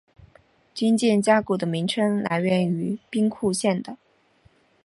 军舰加古的名称来源于兵库县的。